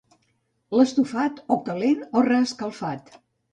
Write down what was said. L'estofat, o calent o reescalfat.